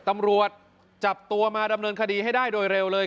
ตำรวจจับตัวมาดำเนินคดีให้ได้โดยเร็วเลย